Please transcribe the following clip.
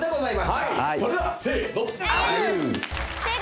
それではせの。